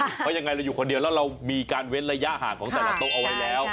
เพราะยังไงเราอยู่คนเดียวแล้วเรามีการเว้นระยะห่างของแต่ละโต๊ะเอาไว้แล้ว